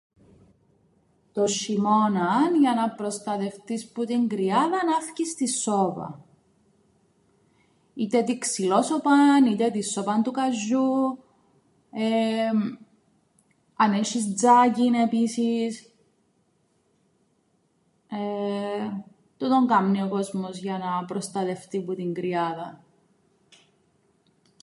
Τον σ̌ειμώναν, για να προστατευτείς που την κρυάδαν, άφκεις την σόπαν. Είτε την ξυλόσοπαν, είτε την σόπαν του καžιού, εεμ αν έσ̌εις τζάκιν επίσης, εεε τούτον κάμνει ο κόσμος για να προστατευτεί που την κρυάδαν.